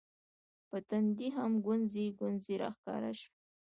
په تندي هم ګونځې ګونځې راښکاره شوې